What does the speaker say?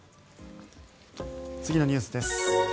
次のニュースです。